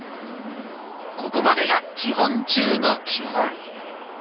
ここまでが基本中の基本。